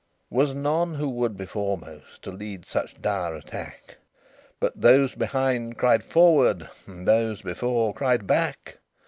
L Was none who would be foremost To lead such dire attack; But those behind cried, "Forward!" And those before cried, "Back!"